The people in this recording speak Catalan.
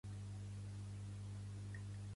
Menjar-li la figa.